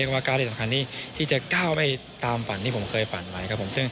เวลาที่จะเก้าไปตามฝันที่ผมเคยฝันไว้ครับผม